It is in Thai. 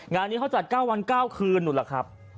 งานนี้เขาจัด๙วัน๙คืนนู้นล่ะครับ